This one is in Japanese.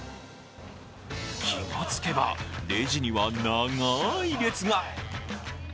気がつけば、レジには長い列が。